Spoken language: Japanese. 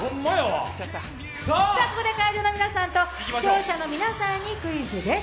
ここで会場の皆さんと視聴者の皆さんにクイズです。